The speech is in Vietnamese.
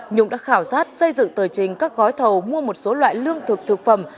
nhung đã khảo sát xây dựng tờ trình các gói thầu mua một số loại lương thực thực phẩm